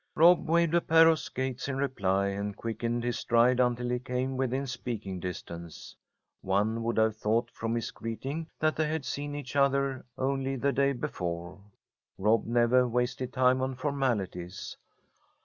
Rob waved a pair of skates in reply, and quickened his stride until he came within speaking distance. One would have thought from his greeting that they had seen each other only the day before. Rob never wasted time on formalities.